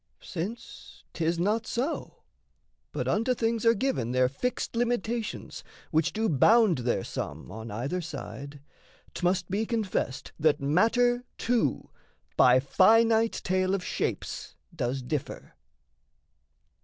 Since 'tis not so, but unto things are given Their fixed limitations which do bound Their sum on either side, 'tmust be confessed That matter, too, by finite tale of shapes Does differ.